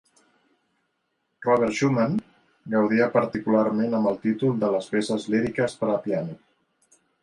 Robert Schumann gaudia particularment amb el títol de les peces líriques per a piano.